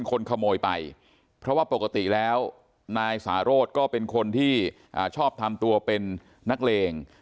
คนขโมยไปเพราะว่าปกติแล้วนายสาโรธก็เป็นคนที่ชอบทำตัวเป็นนักเลง